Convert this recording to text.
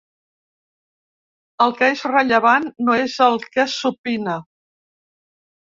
El que és rellevant no és el que s’opina.